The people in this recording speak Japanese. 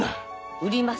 売ります。